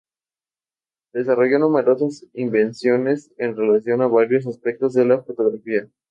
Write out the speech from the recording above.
Desarrolló numerosas invenciones en relación a varios aspectos de la fotografía.